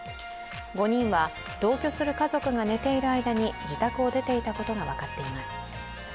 ５人は同居する家族が寝ている間に自宅を出ていたことが分かっています。